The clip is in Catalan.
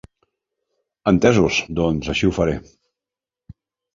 Entesos, doncs així ho faré.